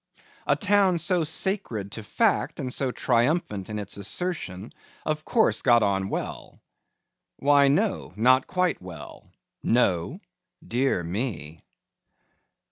A town so sacred to fact, and so triumphant in its assertion, of course got on well? Why no, not quite well. No? Dear me!